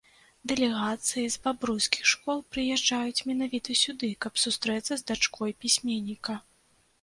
Дэлегацыі з бабруйскіх школ прыязджаюць менавіта сюды, каб сустрэцца з дачкой пісьменніка.